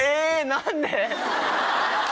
何で？